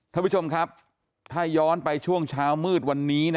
ท่านผู้ชมครับถ้าย้อนไปช่วงเช้ามืดวันนี้